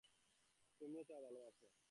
তুমি চাও ভালোবাসা।